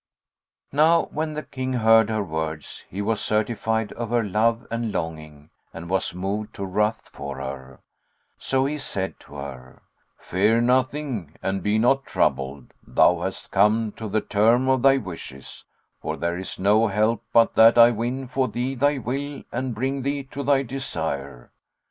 Now when the King heard her words he was certified of her love and longing and was moved to ruth for her; so he said to her, "Fear nothing and be not troubled; thou hast come to the term of thy wishes; for there is no help but that I win for thee thy will and bring thee to thy desire."